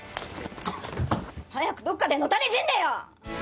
早くどっかで野垂れ死んでよ！